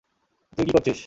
তুই কি করছিস?